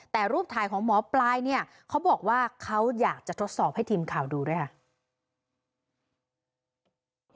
แต่รูปถ่ายของหมอปลายเนี่ยเขาบอกว่าเขาอยากจะทดสอบให้ทีมข่าวดูด้วยค่ะ